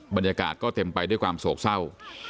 บรรยากาศก็เต็มไปด้วยความโศกเศร้า